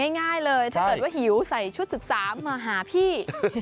ง่ายเลยถ้าเกิดว่าหิวใส่ชุดศึกษามาหาพี่